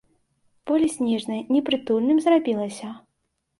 Поле снежнае непрытульным зрабілася.